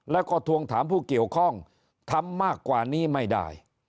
แล้วก็ทวงถามผู้เกี่ยวข้องทำมากกว่านี้ไม่ได้